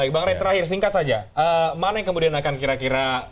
mana yang kemudian akan kira kira